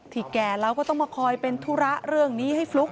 แก่แล้วก็ต้องมาคอยเป็นธุระเรื่องนี้ให้ฟลุ๊ก